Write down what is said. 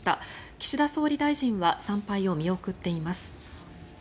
岸田総理大臣は参拝を見送っています。